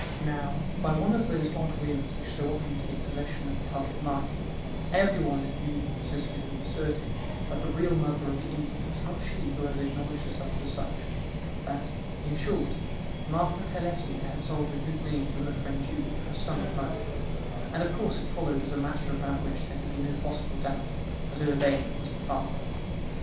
Now, by one of those odd whims which so often take possession of the public mind, everyone in Loudun persisted in asserting that the real mother of the infant was not she who had acknowledged herself as such—that, in short, Marthe Pelletier had sold her good name to her friend Julie for a sum of money; and of course it followed as a matter about which there could be no possible doubt, that Urbain was the father.